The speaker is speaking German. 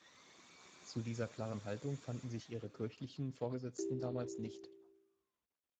Zu dieser klaren Haltung fanden sich ihre kirchlichen Vorgesetzten damals nicht.